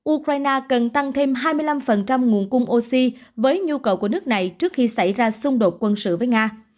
ukraine cần tăng thêm hai mươi năm nguồn cung oxy với nhu cầu của nước này trước khi xảy ra xung đột quân sự với nga